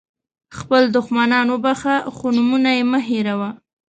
خپل دښمنان وبخښه خو نومونه یې مه هېروه.